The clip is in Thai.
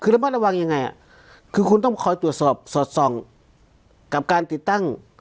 ระวังยังไงคือคุณต้องคอยตรวจสอบสอดส่องกับการติดตั้ง